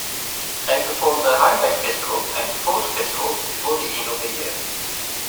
They performed the Homebake Festival and Falls Festival before the end of the year.